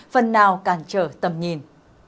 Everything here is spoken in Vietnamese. phần nào cản trở tầm nhìn